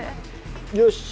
よし。